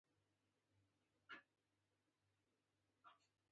بې درېغو بریدونو لاندې ونیول شول